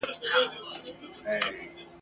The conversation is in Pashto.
د زندان به مي نن شل کاله پوره وای !.